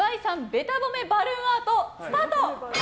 ベタ褒めバルーンアート、スタート！